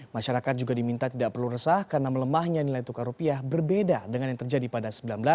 masyarakat juga diminta tidak perlu resah karena melemahnya nilai tukar rupiah berbeda dengan yang terjadi pada seribu sembilan ratus sembilan puluh